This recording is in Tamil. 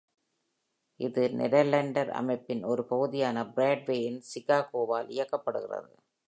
இது நெடெர்லாண்டர் அமைப்பின் ஒரு பகுதியான பிராட்வே இன் சிகாகோவால் இயக்கப்படுகிறது.